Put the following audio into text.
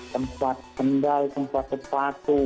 tempat kendal tempat sepatu